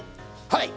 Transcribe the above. はい！